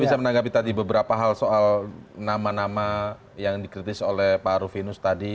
bisa menanggapi tadi beberapa hal soal nama nama yang dikritis oleh pak rufinus tadi